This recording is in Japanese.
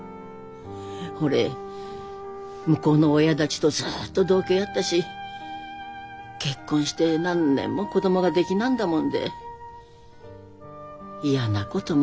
ほれ向こうの親たちとずっと同居やったし結婚して何年も子供が出来なんだもんで嫌なこともあったと思うぜ。